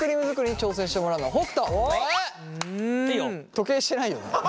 時計してないよね。